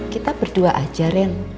kita berdua aja ren